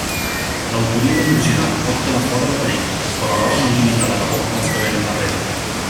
L'autoria de l'original pot quedar fora de perill però alhora no limitar la labor dels que vénen darrere.